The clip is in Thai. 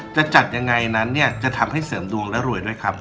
จะจัดยังไงนั้นเนี่ยจะทำให้เสริมดวงและรวยด้วยครับ